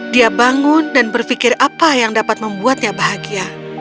dia bangun dan berpikir apa yang dapat membuatnya bahagia